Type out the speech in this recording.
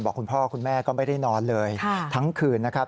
คุณพ่อคุณแม่ก็ไม่ได้นอนเลยทั้งคืนนะครับ